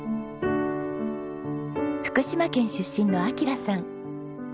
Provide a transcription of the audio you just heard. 福島県出身の明さん。